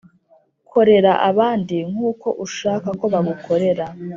korera abandi nkuko ushaka ko bagukorera